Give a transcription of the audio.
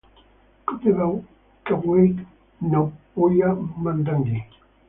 Kudeda kwake ndokupoia mundungi.